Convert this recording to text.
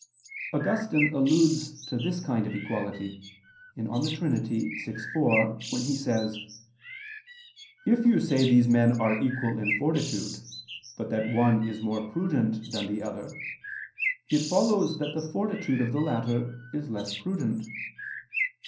Augustine alludes to this kind of equality (De Trin. vi, 4) when he says: "If you say these men are equal in fortitude, but that one is more prudent than the other; it follows that the fortitude of the latter is less prudent.